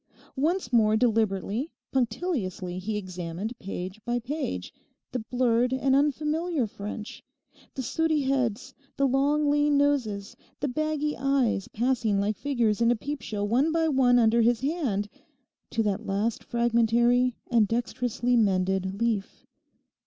Once more, deliberately, punctiliously, he examined page by page the blurred and unfamiliar French—the sooty heads, the long, lean noses, the baggy eyes passing like figures in a peepshow one by one under his hand—to the last fragmentary and dexterously mended leaf.